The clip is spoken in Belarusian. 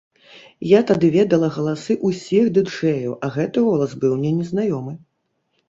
Я тады ведала галасы ўсіх ды-джэяў, а гэты голас быў мне незнаёмы.